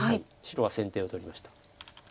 白は先手を取りました。